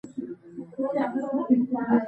درناوی او عفت د ټولنې سینګار دی.